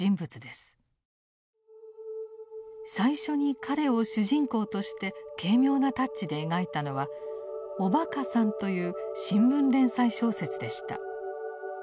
最初に彼を主人公として軽妙なタッチで描いたのは「おバカさん」という新聞連載小説でした。